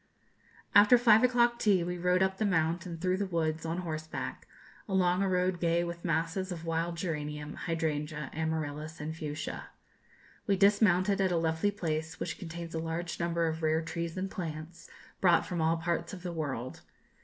After five o'clock tea we rode up the Mount and through the woods on horseback, along a road gay with masses of wild geranium, hydrangea, amaryllis, and fuchsia. We dismounted at a lovely place, which contains a large number of rare trees and plants, brought from all parts of the world.